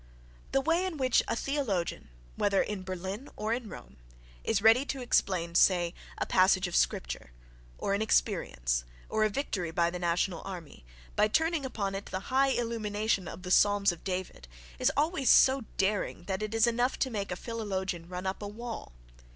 The way in which a theologian, whether in Berlin or in Rome, is ready to explain, say, a "passage of Scripture," or an experience, or a victory by the national army, by turning upon it the high illumination of the Psalms of David, is always so daring that it is enough to make a philologian run up a wall.